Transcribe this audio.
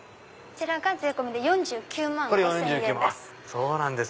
税込みで４９万５０００円です。